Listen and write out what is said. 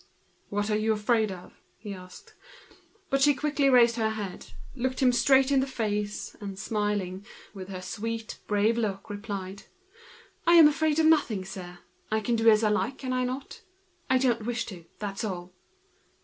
"What are you afraid of?" But she quickly raised her head, looked him straight in the face, and said, smiling, with her sweet, brave look: "I am afraid of nothing, sir. I can do as I like, can't I? I don't wish to, that's all!"